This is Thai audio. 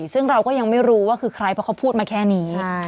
ซึ่งเราก็ยังไม่รู้ว่าคือใครเพราะเขาพูดมาแค่นี้